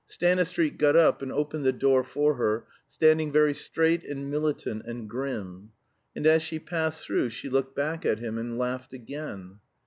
Stanistreet got up and opened the door for her, standing very straight and militant and grim; and as she passed through she looked back at him and laughed again.